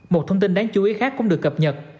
một thông tin đáng chú ý khác cũng được cập nhật